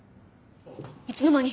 いつの間に！